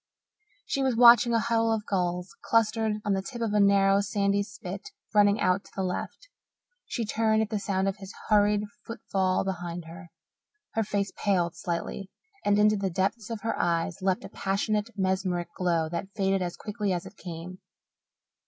She was watching a huddle of gulls clustered on the tip of a narrow, sandy spit running out to the left. She turned at the sound of his hurried foot fall behind her. Her face paled slightly, and into the depths of her eyes leapt a passionate, mesmeric glow that faded as quickly as it came.